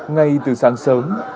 ngay từ sáng sớm